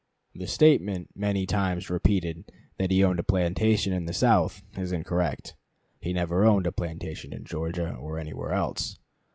The statement, many times repeated, that he owned a plantation in the South is incorrect. He never owned a plantation in Georgia or anywhere else.